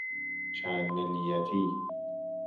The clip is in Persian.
چندملیتی